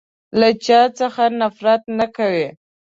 له چا څخه نفرت نه کوی.